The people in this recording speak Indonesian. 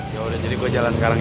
yaudah jadi gue jalan sekarang ya